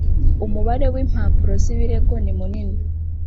umubare w impapuro z ibirego ni munini